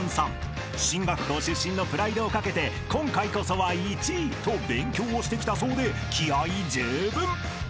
［進学校出身のプライドを懸けて今回こそは１位と勉強をしてきたそうで気合じゅうぶん］